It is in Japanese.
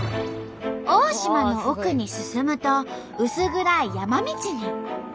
大島の奥に進むと薄暗い山道に。